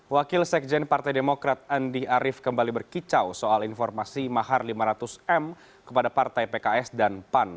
wakil sekjen partai demokrat andi arief kembali berkicau soal informasi mahar lima ratus m kepada partai pks dan pan